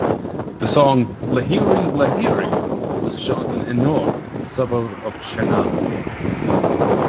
The song "Lahiri Lahiri" was shot in Ennore, a suburb of Chennai.